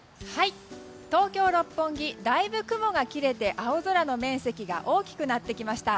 東京・六本木だいぶ雲が切れて青空の面積が大きくなってきました。